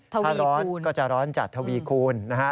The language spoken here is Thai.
ถ้าร้อนก็จะร้อนจัดทวีคูณนะฮะ